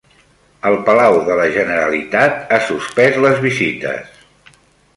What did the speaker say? El Palau de la Generalitat ha suspès les visites